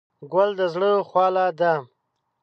ګل د زړه خواله ده.